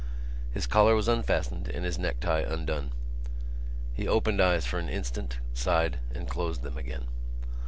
His collar was unfastened and his necktie undone. He opened his eyes for an instant, sighed and closed them again.